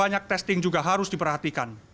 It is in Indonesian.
banyak testing juga harus diperhatikan